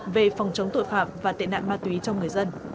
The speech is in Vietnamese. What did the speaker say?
về phòng chống tội phạm và tiện nạn ma túy trong người dân